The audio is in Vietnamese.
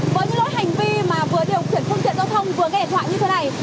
với những lỗi hành vi mà vừa điều khiển phương tiện giao thông vừa nghệ thoại như thế này